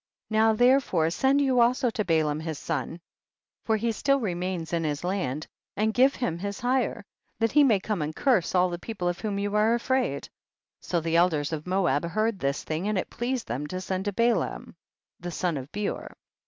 43. Now therefore send you also to Balaam his son, for he still remains in his land, and give him his hire, that he may come and curse all the people of whom you are afraid ; so the elders of Moab heard this thing, and it pleased them to send to Balaam the son of Beor.